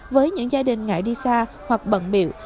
với những gia đình ngại đi xa hoặc bận biệu